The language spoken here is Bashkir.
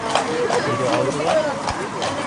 Кире алдылар?